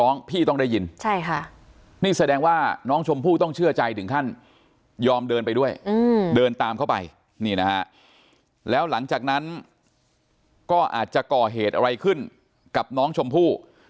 นี่นะหลังจากนั้นก็อาจจะเกาะเหตุอะไรขึ้นกับน้องชมพู่